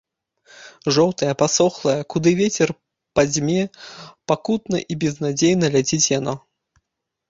Жоўтае, пасохлае, куды вецер падзьме, пакутна і безнадзейна ляціць яно.